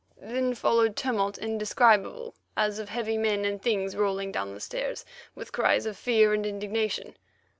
Then followed tumult indescribable as of heavy men and things rolling down the stairs, with cries of fear and indignation.